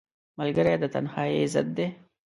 ملګری د تنهایۍ ضد دی